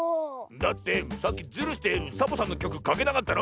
だってさっきズルしてサボさんのきょくかけなかったろ。